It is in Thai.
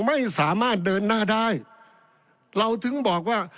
ไม่สามารถเดินหน้าได้เราถึงบอกว่า